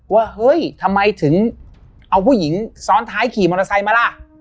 ว่าเฮ้ยทำไมถึงเอาผู้หญิงซ้อนท้ายขี่มอเตอร์ไซค์มาล่ะ